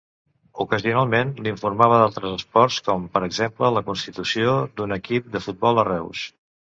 Ocasionalment informava d'altres esports, com per exemple la constitució d'un equip de futbol a Reus.